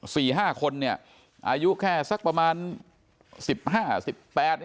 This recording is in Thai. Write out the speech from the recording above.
สี่ห้าคนเนี่ยอายุแค่สักประมาณสิบห้าสิบแปด